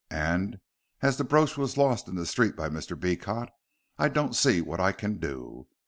"And, as the brooch was lost in the street by Mr. Beecot, I don't see what I can do.